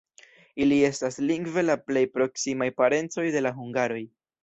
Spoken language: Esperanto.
Ili estas lingve la plej proksimaj parencoj de la hungaroj.